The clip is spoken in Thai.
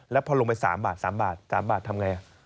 แล้วพอลงไป๓บาท๓บาท๓บาททำไง